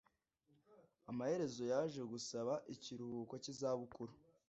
Amaherezo yaje gusaba ikiruhuko cy’izabukuru